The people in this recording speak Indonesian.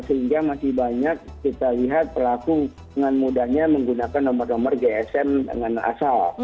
sehingga masih banyak kita lihat pelaku dengan mudahnya menggunakan nomor nomor gsm dengan asal